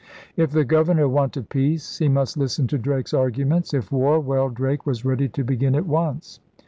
If the governor wanted peace, he must listen to Drake's arguments; if war — well, Drake was ready to begin at once.